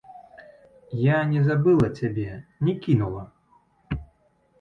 Я не забыла цябе, не кінула.